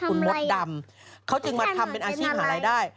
คุณมดดำเขาจึงมาทำเป็นอาชีพหารายได้